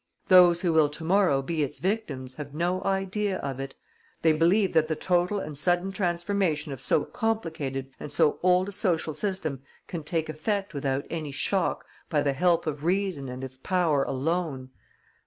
Those who will to morrow be its victims have no idea of it, they believe that the total and sudden transformation of so complicated and so old a social system can take effect without any shock by the help of reason and its power, alone.